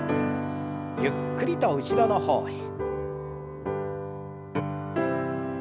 ゆっくりと後ろの方へ。